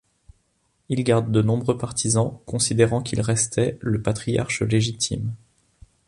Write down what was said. Il garde de nombreux partisans considérant qu'il restait le patriarche légitime.